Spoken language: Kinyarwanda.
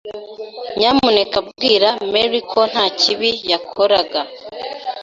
Nyamuneka bwira Mary ko nta kibi yakoraga.